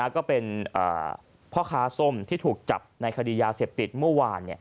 ก็เป็นพ่อค้าส้มที่ถูกจับในคดียาเสพติดเมื่อวาน